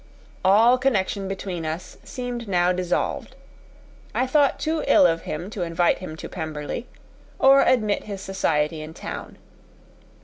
All connection between us seemed now dissolved. I thought too ill of him to invite him to Pemberley, or admit his society in town.